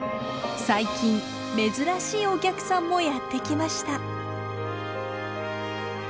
最近珍しいお客さんもやって来ました。